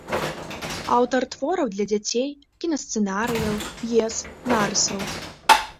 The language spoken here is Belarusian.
Аўтар твораў для дзяцей, кінасцэнарыяў, п'ес, нарысаў.